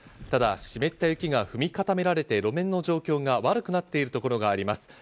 ただ湿った雪が踏み固められて、路面の状況が悪くなっているところがあります。